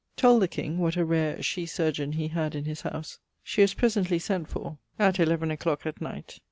... told the king what a rare shee surgeon he had in his house; she was presently sent for at eleven clock at night.